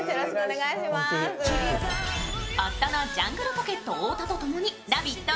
夫のジャングルポケット・太田とともに「ラヴィット！」